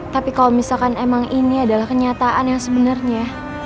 tapi kalo misalkan emang ini adalah kenyataan yang sebenernya